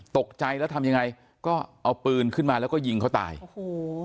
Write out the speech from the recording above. ตกใจแล้วทำยังไงก็เอาปืนขึ้นมาแล้วก็ยิงเขาตายโอ้โห